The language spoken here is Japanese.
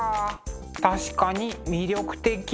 確かに魅力的。